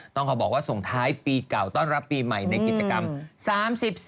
ต้องขอบอกว่าส่งท้ายปีเก่าต้อนรับปีใหม่ในกิจกรรม